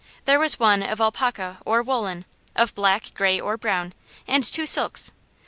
There was one of alpaca or woollen, of black, gray or brown, and two silks.